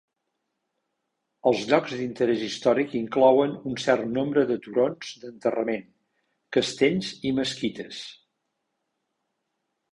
Els llocs d'interès històric inclouen un cert nombre de turons d'enterrament, castells i mesquites.